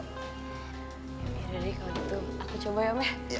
ya udah deh kalau gitu aku coba ya om ya